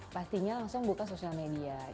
pastinya langsung buka sosial media